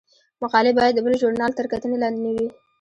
مقالې باید د بل ژورنال تر کتنې لاندې نه وي.